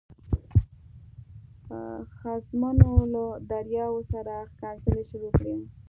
ښځمنو له دریاو سره ښکنځلې شروع کړې.